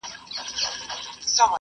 څنګه کولای شو ککړتيا کمه کړو؟